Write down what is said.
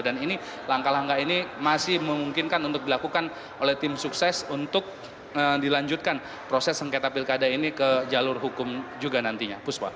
dan ini langkah langkah ini masih memungkinkan untuk dilakukan oleh tim sukses untuk dilanjutkan proses sengketa pilkada ini ke jalur hukum juga nantinya